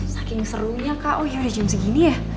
saking serunya kak oh iya udah jam segini ya